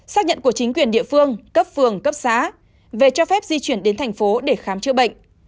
xác nhận của chính quyền địa phương cấp phường cấp xã về cho phép di chuyển đến thành phố để khám chữa bệnh